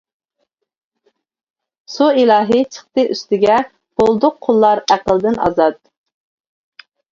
سۇ ئىلاھى چىقتى ئۈستىگە بولدۇق قۇللار ئەقىلدىن ئازاد.